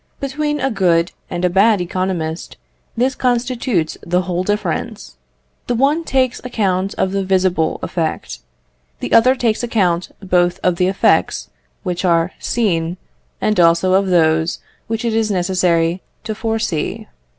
Between a good and a bad economist this constitutes the whole difference the one takes account of the visible effect; the other takes account both of the effects which are seen and also of those which it is necessary to foresee.